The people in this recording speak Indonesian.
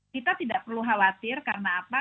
kita tidak perlu khawatir karena apa